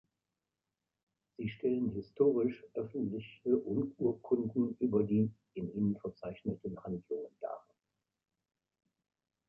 Sie stellen historisch öffentliche Urkunden über die in ihnen verzeichneten Handlungen dar.